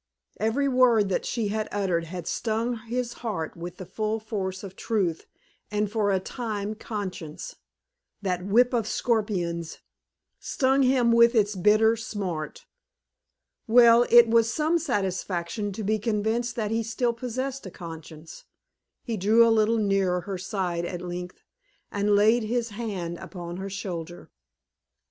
Every word that she had uttered had stung his heart with the full force of truth, and for a time conscience that whip of scorpions stung him with its bitter smart. Well, it was some satisfaction to be convinced that he still possessed a conscience. He drew a little nearer her side at length, and laid his hand upon her shoulder.